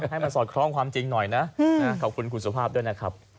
ให้มันสอดคล้องความจริงหน่อยนะขอบคุณคุณสุภาพด้วยนะครับ